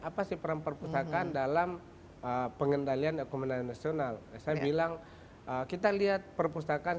apa sih peran perpustakaan dalam pengendalian ekonomi nasional saya bilang kita lihat perpustakaan